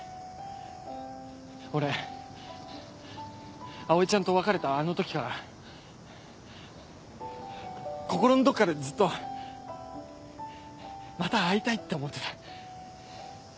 俺葵ちゃんと別れたあの時から心のどこかでずっとまた会いたいって思ってた。